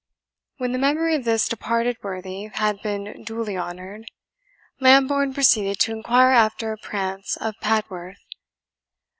When the memory of this departed worthy had been duly honoured, Lambourne proceeded to inquire after Prance of Padworth.